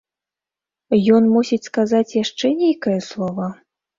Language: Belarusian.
Ён мусіць сказаць яшчэ нейкае слова?